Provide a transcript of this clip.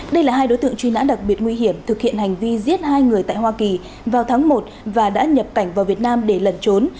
đây là hai đối tượng truy nã đặc biệt nguy hiểm thực hiện hành vi giết hai người tại hoa kỳ vào tháng một và đã nhập cảnh vào việt nam để lẩn trốn